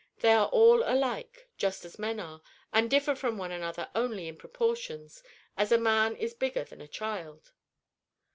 They are all alike, just as men are, and differ from one another only in proportions, as a man is bigger than a child."